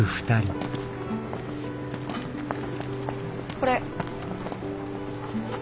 これ。